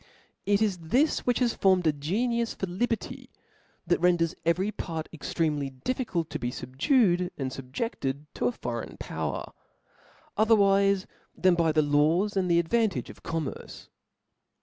It is this which has forteed a genitia for liberty, that renders every part extremely diffi^tdttobe fubducd and fubjcded to a foreign power, othcr ;Wife than by the laws <aad the advantage of com merce.